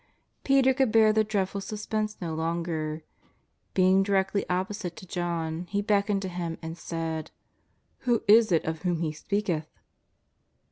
Peter could bear the dreadful sus pense no longer. Being directly opposite to John, he beckoned to him and said :" Who is it of whom He speaketh